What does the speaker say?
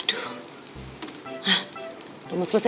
udah mau selesai